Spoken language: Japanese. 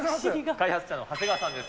開発者の長谷川さんです。